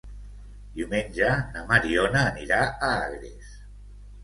Diumenge na Mariona anirà a Agres.